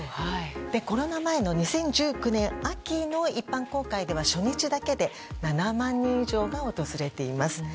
コロナ前の２０１９年秋の一般公開では初日だけで７万人以上が訪れています。